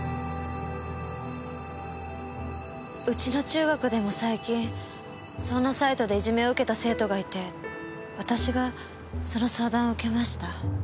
うちの中学でも最近そんなサイトでいじめを受けた生徒がいて私がその相談を受けました。